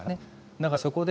だからそこで